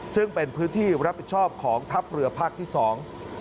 ซึ่งเป็นพื้นที่รับผิดชอบของทัพเรือภาคที่สอง